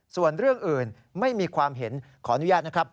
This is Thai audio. ส่วนเรื่องอื่นไม่มีความเห็นขออนุญาตนะครับ